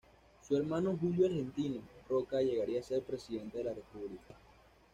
Su hermano Julio Argentino Roca llegaría a ser presidente de la república.